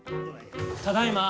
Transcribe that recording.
ただいま。